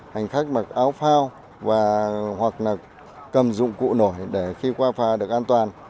hành khách mặc áo phao và hoặc là cầm dụng cụ nổi để khi qua phà được an toàn